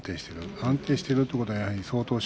安定しているということは相当し